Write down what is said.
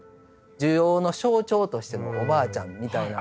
受容の象徴としてのおばあちゃんみたいな。